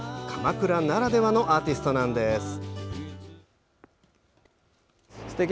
鎌倉ならではのアーティストなんです。